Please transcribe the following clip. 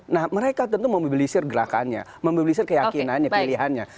nah mereka tentu membilisir gerakannya membilisir keyakinannya pilihannya